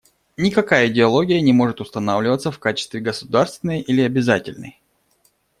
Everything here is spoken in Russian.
Никакая идеология не может устанавливаться в качестве государственной или обязательной.